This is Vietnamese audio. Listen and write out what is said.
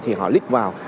thì họ lít vào